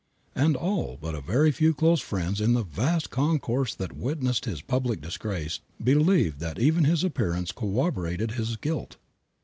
And all but a very few close friends in the vast concourse that witnessed his public disgrace believed that even his appearance corroborated his guilt.